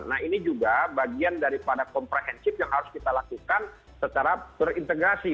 nah ini juga bagian daripada komprehensif yang harus kita lakukan secara berintegrasi